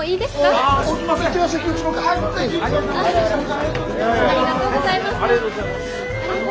ありがとうございます。